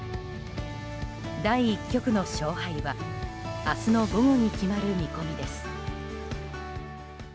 第１局の勝敗は明日の午後に決まる見込みです。